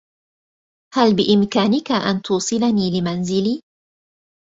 هل بإمكانك أن توصلني لمنزلي؟